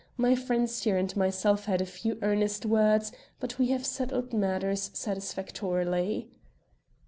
My friends here and myself had a few earnest words, but we have settled matters satisfactorily."